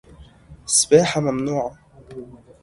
سباحة ممنوعة